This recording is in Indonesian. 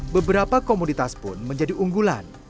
beberapa komunitas pun menjadi unggulan